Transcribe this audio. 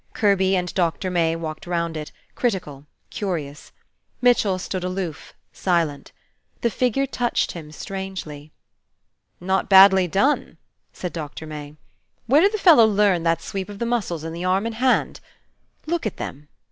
Kirby and Doctor May walked around it, critical, curious. Mitchell stood aloof, silent. The figure touched him strangely. "Not badly done," said Doctor May, "Where did the fellow learn that sweep of the muscles in the arm and hand? Look at them!